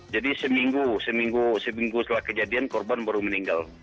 jadi seminggu setelah kejadian korban baru meninggal